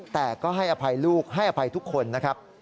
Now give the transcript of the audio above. แต่ก็ให้อภัยลูกให้อภัยทุกคนนะครับ